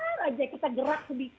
sebentar aja kita gerak sedikit gitu